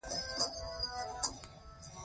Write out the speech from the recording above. هو، زه هره ورځ بایسکل چلوم